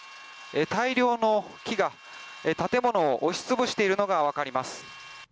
大量の木が建物を押しつぶしているのが分かります